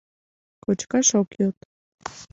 Кочкаш ок йод.